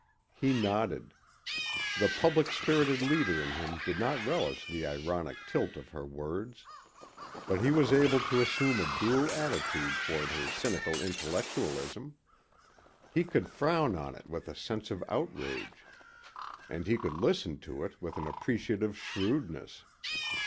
He nodded. The public spirited leader in him did not relish the ironic tilt of her words. But he was able to assume a dual attitude toward her cynical intellectualism. He could frown on it with a sense of outrage. And he could listen to it with an appreciative shrewdness.